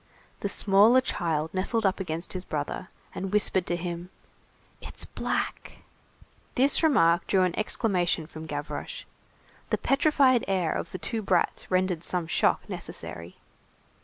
The smaller child nestled up against his brother, and whispered to him:— "It's black." This remark drew an exclamation from Gavroche. The petrified air of the two brats rendered some shock necessary.